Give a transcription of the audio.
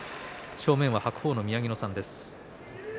正面は白鵬の宮城野さんです。